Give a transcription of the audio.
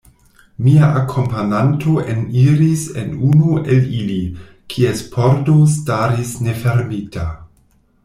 Mia akompananto eniris en unu el ili, kies pordo staris nefermita.